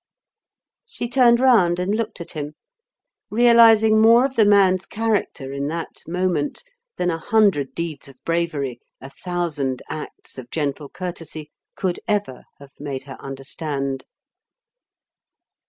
She turned round and looked at him; realizing more of the man's character in that moment than a hundred deeds of bravery, a thousand acts of gentle courtesy, could ever have made her understand.